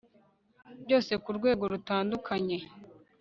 byose kurwego rutandukanye